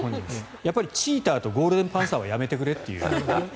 チーターとゴールデンパンサーはやめてくれと。